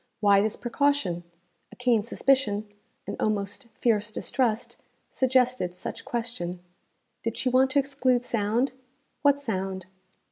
Why this precaution? A keen suspicion, an almost fierce distrust, suggested such question. Did she want to exclude sound? What sound?